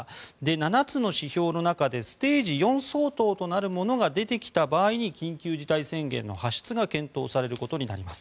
７つの指標の中でステージ４相当となるものが出てきた場合に緊急事態宣言の発出が検討されることになります。